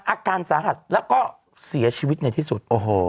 อาการสาหัสแล้วก็เสียชีวิตในที่สุด